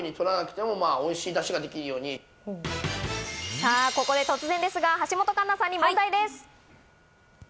さぁ、ここで突然ですが、橋本環奈さんに問題です。